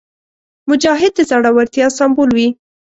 مجاهد د زړورتیا سمبول وي.